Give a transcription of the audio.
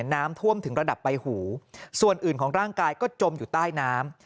น้ำท่วมถึงระดับใบหูส่วนอื่นของร่างกายก็จมอยู่ใต้น้ำ